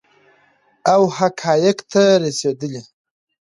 او حقایقو ته رسیدل